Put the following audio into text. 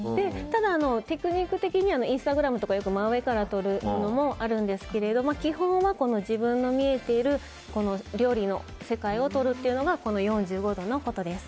ただ、テクニック的にはインスタグラムなどで真上から写るのもあるんですが基本はこの自分の見えている料理の世界を撮るというのがこの４５度のことです。